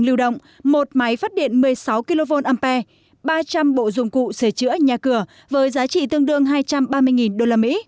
lưu động một máy phát điện một mươi sáu kv ampe ba trăm linh bộ dụng cụ sửa chữa nhà cửa với giá trị tương đương hai trăm ba mươi usd